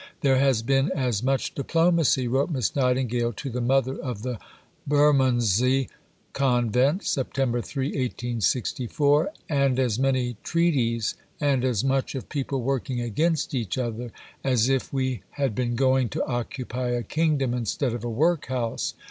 "There has been as much diplomacy," wrote Miss Nightingale to the Mother of the Bermondsey Convent (Sept. 3, 1864), "and as many treaties, and as much of people working against each other, as if we had been going to occupy a kingdom instead of a Workhouse."